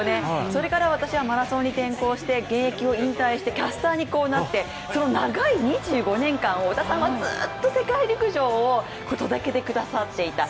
それから私はマラソンに転向して現役を引退して、キャスターになってその長い２５年間を織田さんはずっと世界陸上を届けてくださっていた。